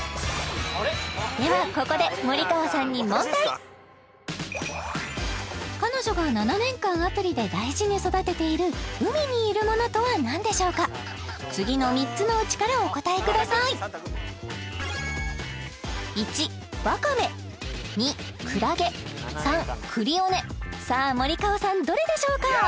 ではここで森川さんに問題彼女が７年間アプリで大事に育てている海にいるものとは何でしょうか次の３つのうちからお答えくださいさあ森川さんどれでしょうか？